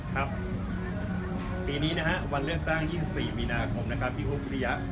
ครับปีนี้นะฮะวันเลือกตั้ง๒๔มีนาคมนะครับพี่อุ๊บวิริยะ